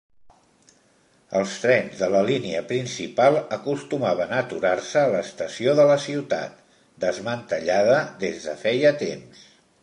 Els trens de la línia principal acostumaven a aturar-se a l'estació de la ciutat, desmantellada des de feia temps.